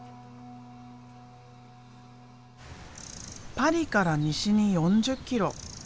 パリから西に４０キロ。